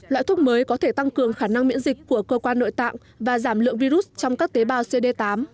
loại thuốc mới có thể tăng cường khả năng miễn dịch của cơ quan nội tạng và giảm lượng virus trong các tế bào cd tám